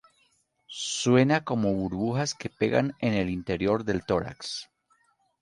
Suena como burbujas que pegan el interior del tórax.